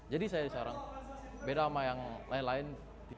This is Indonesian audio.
jadi saya sekarang beda sama yang lain lain